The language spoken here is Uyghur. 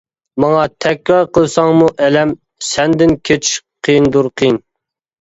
ماڭا تەكرار قىلساڭمۇ ئەلەم، سەندىن كېچىش قىيىندۇر، قىيىن.